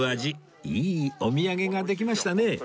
いいお土産ができましたね